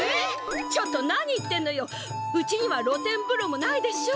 ちょっと何言ってんのようちにはろ天ぶろもないでしょ！